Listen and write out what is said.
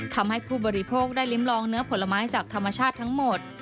ทำให้ผู้บริโภคได้ริมลองเนื้อผลไม้จากธรรมชาติทั้งหมด